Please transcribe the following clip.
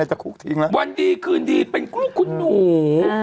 จะคุกทิ้งแล้ววันดีคืนดีเป็นลูกคุณหนู